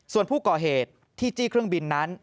ส่วนผู้ก่อเหตุที่จี้เครื่องบินนั้น